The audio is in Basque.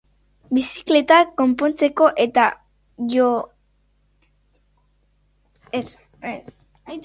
Bizikleta konpontzeko eta joskintzako tailerrak antolatzen dituzte produktuei bizi zikloa luzatu nahian.